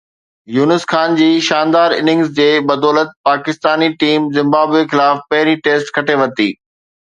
يونس خان جي شاندار اننگز جي بدولت پاڪستاني ٽيم زمبابوي خلاف پهرين ٽيسٽ کٽي ورتي.